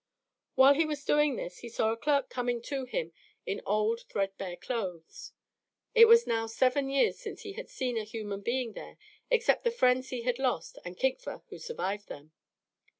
While doing this, he saw a clerk coming to him in old, threadbare clothes. It was now seven years since he had seen a human being there, except the friends he had lost and Kigva who survived them.